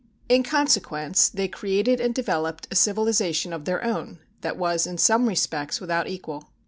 In consequence they created and developed a civilization of their own that was in some respects without equal.